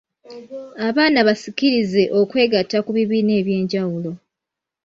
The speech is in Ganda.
Abaana basikirize okwegatta ku bibiina eby'enjawulo